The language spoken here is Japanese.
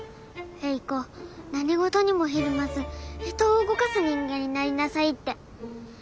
「英子何事にもひるまず人を動かす人間になりなさい」って。